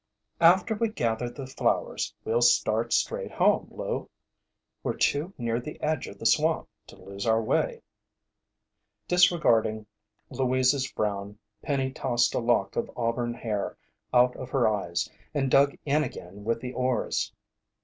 '" "After we gather the flowers, we'll start straight home, Lou. We're too near the edge of the swamp to lose our way." Disregarding Louise's frown, Penny tossed a lock of auburn hair out of her eyes, and dug in again with the oars.